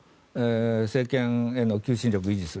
政権への求心力を維持する。